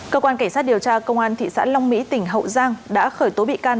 cơ quan cảnh sát điều tra công an thị xã long mỹ tỉnh hậu giang đã khởi tố bị can